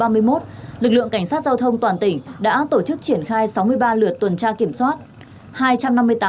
lực lượng cảnh sát giao thông toàn tỉnh đã tổ chức triển khai sáu mươi ba lượt tuần tra kiểm soát